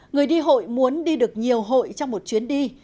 người đi hội muốn đi được nhiều hội trong một chuyến đi